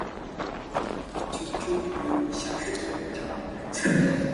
一句話，三斤重